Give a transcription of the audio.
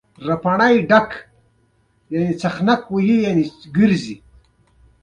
کوم هدف مې ترې نه درلود، پاڅېدو.